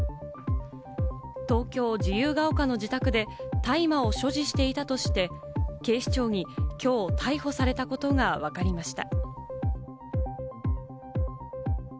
東京・自由が丘の自宅で大麻を所持していたとして、警視庁に今日、逮捕されたことがわかりました。